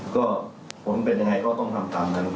ก็ผลเป็นยังไงก็ต้องทำตามนั้น